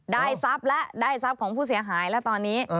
ทรัพย์และได้ทรัพย์ของผู้เสียหายแล้วตอนนี้